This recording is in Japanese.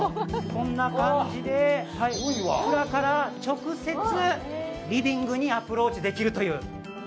こんな感じで、蔵から直接、リビングにアプローチできるという。